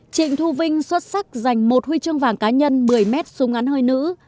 trịnh thu vinh xuất sắc giành một huy chương vàng cá nhân một mươi mét súng ngắn hơi nữ